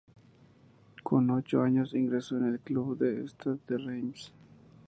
Con ocho años ingresó en el club del Stade de Reims.